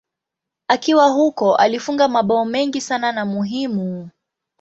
Akiwa huko alifunga mabao mengi sana na muhimu.